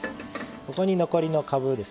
ここに残りのかぶですね。